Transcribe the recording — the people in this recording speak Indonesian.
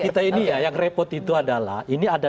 kita ini ya yang repot itu adalah ini ada